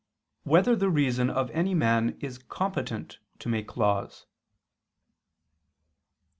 3] Whether the Reason of Any Man Is Competent to Make Laws?